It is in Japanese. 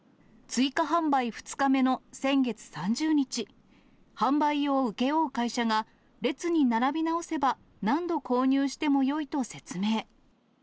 追加販売２日目の先月３０日、販売を請け負う会社が列に並び直せば、何度購入してもよいと説明。